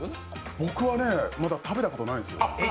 僕はね、まだ食べたことないんですよ。